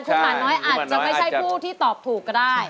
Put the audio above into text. คุณหมาน้อยอาจจะไม่ใช่ผู้ที่ตอบถูกก็ได้